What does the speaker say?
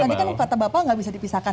tadi kan kata bapak nggak bisa dipisahkan